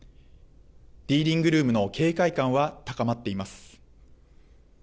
ディーリングルームの警戒感は高まっています。